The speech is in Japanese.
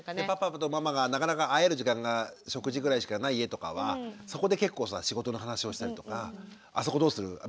パパとママがなかなか会える時間が食事ぐらいしかない家とかはそこで結構仕事の話をしたりとか「あそこどうする？